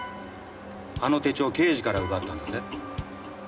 あの手帳刑事から奪ったんだぜ。